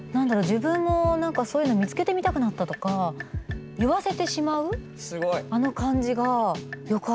「自分も何かそういうの見つけてみたくなった」とか言わせてしまうあの感じがよかったなって思いましたね。